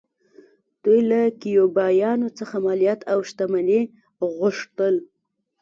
دوی له کیوبایانو څخه مالیات او شتمنۍ غوښتل